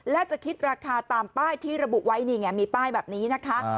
และจะคิดราคาตามป้ายที่ระบุไว้นี่ไงมีป้ายแบบนี้นะคะ